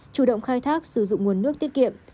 chủ động khai thác sử dụng nguồn nước tiết kiệm